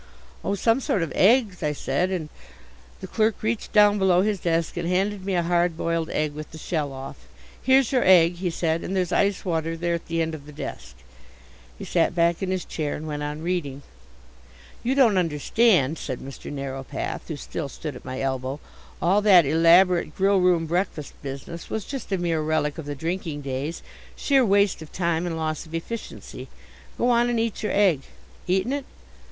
"Oh, some sort of eggs," I said, "and " The clerk reached down below his desk and handed me a hard boiled egg with the shell off. "Here's your egg," he said. "And there's ice water there at the end of the desk." He sat back in his chair and went on reading. "You don't understand," said Mr Narrowpath, who still stood at my elbow. "All that elaborate grill room breakfast business was just a mere relic of the drinking days sheer waste of time and loss of efficiency. Go on and eat your egg. Eaten it?